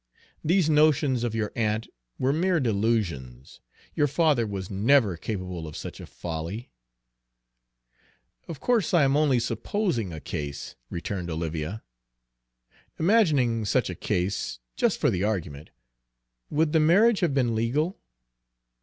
These notions of your aunt were mere delusions. Your father was never capable of such a folly." "Of course I am only supposing a case," returned Olivia. "Imagining such a case, just for the argument, would the marriage have been legal?"